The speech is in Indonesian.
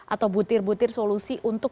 atau butir butir solusi untuk